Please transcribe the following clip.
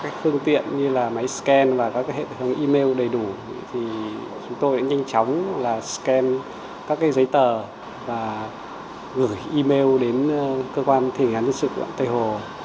chúng tôi đã kèm các giấy tờ và gửi email đến cơ quan thi hành án dân sự quận tây hồ